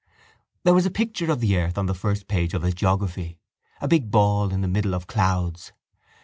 There was a picture of the earth on the first page of his geography: a big ball in the middle of clouds.